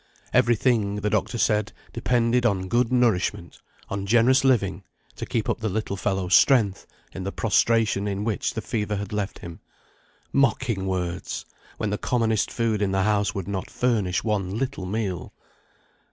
Every thing, the doctor said, depended on good nourishment, on generous living, to keep up the little fellow's strength, in the prostration in which the fever had left him. Mocking words! when the commonest food in the house would not furnish one little meal.